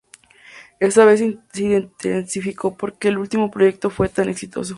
Esta vez se intensificó porque el último proyecto fue tan exitoso".